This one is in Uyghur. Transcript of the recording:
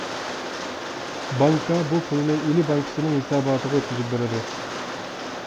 بانكا بۇ پۇلنى ئىلى بانكىسىنىڭ ھېساباتىغا ئۆتكۈزۈپ بېرىدۇ.